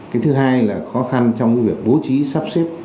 cái thứ hai là khó khăn trong cái việc bố trí sắp xếp